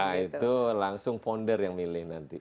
nah itu langsung founder yang milih nanti